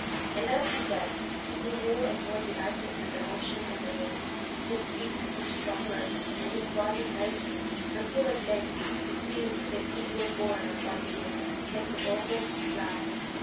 And as he danced, he grew more and more delighted with the motion and the wind; his feet grew stronger, and his body lighter, until at length it seemed as if he were borne up on the air, and could almost fly.